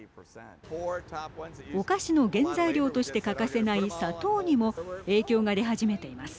お菓子の原材料として欠かせない砂糖にも影響が出始めています。